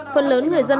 phần lớn người dân